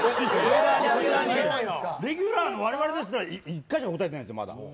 レギュラーの我々ですら１回しか答えてないんですよ。